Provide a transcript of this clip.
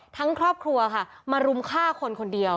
ครอบครัวค่ะมารุมฆ่าคนคนเดียว